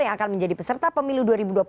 yang akan menjadi peserta pemilu dua ribu dua puluh